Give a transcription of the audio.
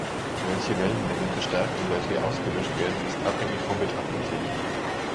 Welche Wellenlängen verstärkt und welche ausgelöscht werden, ist abhängig vom Betrachtungswinkel.